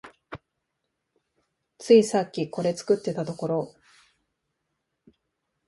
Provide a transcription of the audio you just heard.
ついさっきこれ作ってたところ